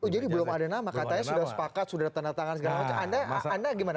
jadi belum ada nama katanya sudah sepakat sudah tanda tangan anda gimana